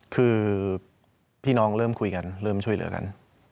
คือพี่น้องเริ่มคุยกันเริ่มช่วยเหลือกัน